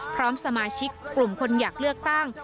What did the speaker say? พร้อมสมาชิกกลุ่มคนอยากเลือกตั้ง